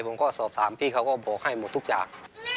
ผมก็สอบถามพี่เขาก็บอกให้หมดทุกอย่าง